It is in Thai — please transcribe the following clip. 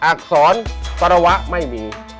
อักษรปรวะไม่มี